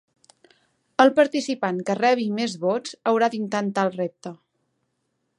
El participant que rebi més vots haurà d'intentar el repte.